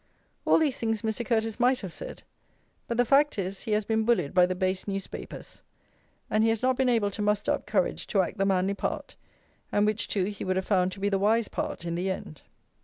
All these things Mr. Curteis might have said; but the fact is, he has been bullied by the base newspapers, and he has not been able to muster up courage to act the manly part, and which, too, he would have found to be the wise part in the end.